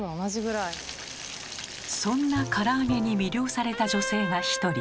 そんなから揚げに魅了された女性が一人。